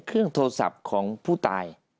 เครื่องโทรศัพท์ของผู้ตาย